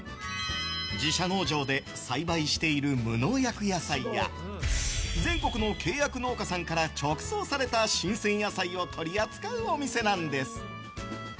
自社農場で栽培している無農薬野菜や全国の契約農家さんから直送された新鮮野菜を取り扱うお店なんです。